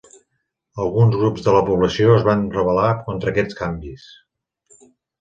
Alguns grups de la població es van rebel·lar contra aquests canvis.